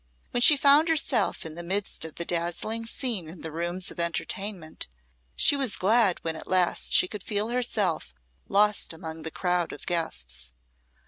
When she found herself in the midst of the dazzling scene in the rooms of entertainment, she was glad when at last she could feel herself lost among the crowd of guests.